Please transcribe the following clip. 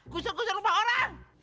gusur gusur rumah orang